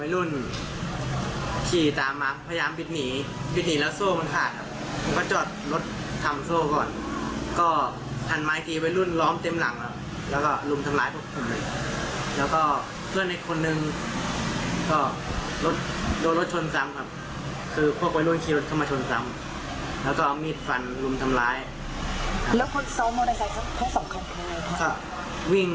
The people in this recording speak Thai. แล้วก็กลุ่มทำร้ายพวกคุณแล้วก็เพื่อนในคนนึงก็รสโทรสน